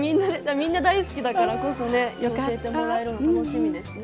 みんな大好きだからこそね教えてもらえるの楽しみですね。